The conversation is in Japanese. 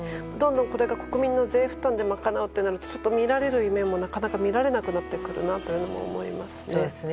これが国民の税負担で賄うとなるとちょっと見られる夢もなかなか見られなくなってくるなと思いますね。